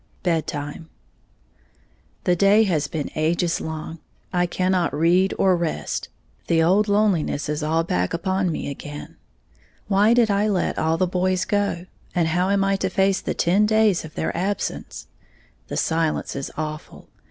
Bed time. The day has been ages long, I cannot read or rest, the old loneliness is all back upon me again. Why did I let all the boys go? And how am I to face the ten days of their absence? The silence is awful.